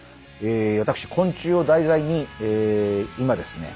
私昆虫を題材に今ですね